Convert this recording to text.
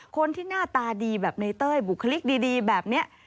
คนที่หน้าตาดีแบบในเต้ยบุคลิกดีแบบนี้